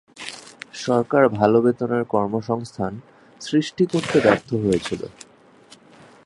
সরকার ভালো বেতনের কর্মসংস্থান সৃষ্টি করতে ব্যার্থ হয়েছিলো।